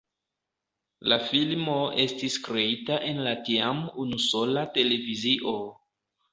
La filmo estis kreita en la tiam unusola televizio.